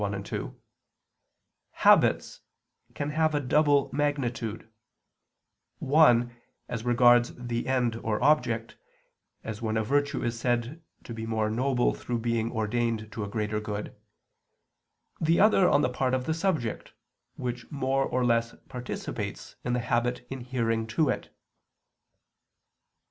1, 2), habits can have a double magnitude: one, as regards the end or object, as when a virtue is said to be more noble through being ordained to a greater good; the other on the part of the subject, which more or less participates in the habit inhering to it.